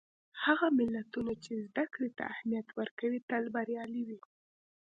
هغه ملتونه چې زدهکړې ته اهمیت ورکوي، تل بریالي وي.